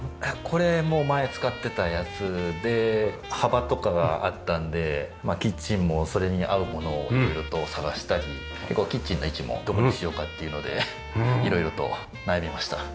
これも前使ってたやつで幅とかがあったんでキッチンもそれに合うものを色々と探したりキッチンの位置もどこにしようかっていうので色々と悩みました。